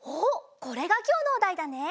これがきょうのおだいだね。